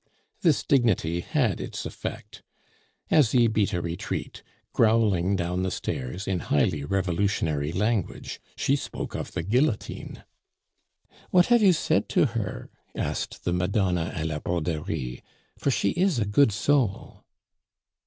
This dignity had its effect. Asie beat a retreat, growling down the stairs in highly revolutionary language; she spoke of the guillotine! "What have you said to her?" asked the Madonna a la broderie, "for she is a good soul."